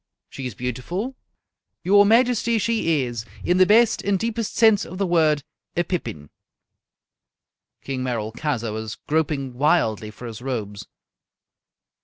"She is beautiful?" "Your majesty, she is, in the best and deepest sense of the word, a pippin!" King Merolchazzar was groping wildly for his robes.